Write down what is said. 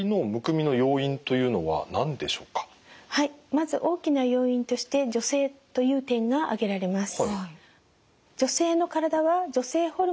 まず大きな要因として女性という点が挙げられます。